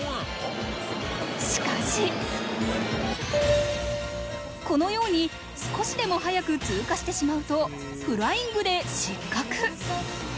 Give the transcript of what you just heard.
しかしこのように少しでも早く通過してしまうとフライングで失格。